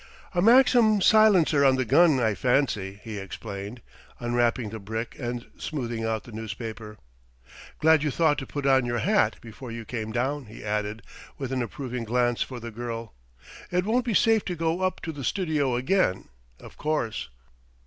"A Maxim silencer on the gun, I fancy," he explained, unwrapping the brick and smoothing out the newspaper.... "Glad you thought to put on your hat before you came down," he added, with an approving glance for the girl; "it won't be safe to go up to the studio again of course."